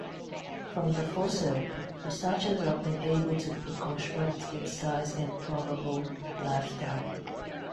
From the fossil, researchers have been able to reconstruct its size and probable lifestyle.